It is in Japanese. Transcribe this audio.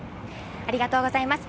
ありがとうございます。